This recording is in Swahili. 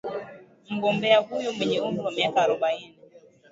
Mgombea huyo mwenye umri wa miaka arobaini